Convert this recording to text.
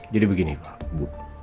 jadi begini pak